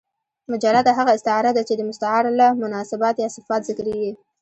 مجرده هغه استعاره ده، چي د مستعارله مناسبات یا صفات ذکر يي.